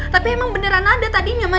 tapi emang beneran ada tadinya mas